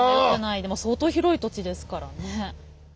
でも相当広い土地ですからね。